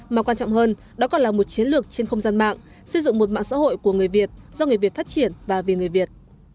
mà quan trọng hơn đó còn là một chiến lược trên không gian mạng xây dựng một mạng xã hội của người việt